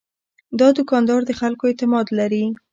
دا دوکاندار د خلکو اعتماد لري.